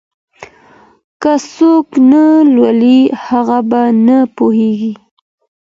که څوک نه لولي هغه به نه پوهېږي.